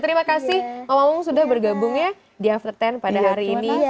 terima kasih pak wang sudah bergabung ya di after sepuluh pada hari ini